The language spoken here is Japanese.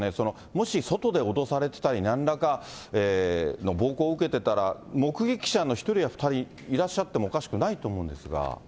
もし外で脅されてたり、なんらかの暴行を受けてたら、目撃者の一人や二人、いらっしゃってもおかしくないと思うんですが。